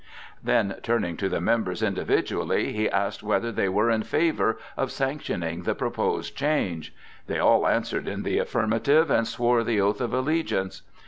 Then turning to the members individually, he asked whether they were in favor of sanctioning the proposed change. They all answered in the affirmative and swore the oath of allegiance.